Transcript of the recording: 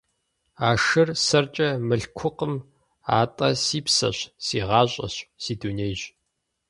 А шыр сэркӀэ мылъкукъым, атӀэ си псэщ, си гъащӀэщ, си дунейщ.